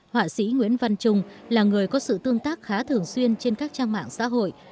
họa sĩ nguyễn văn trung là người có sự tương tác khá thường xuyên trên các trang mạng xã hội